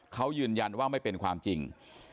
เขายืนยันว่าไม่เป็นความจริง